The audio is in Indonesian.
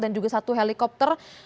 dan juga satu helikopter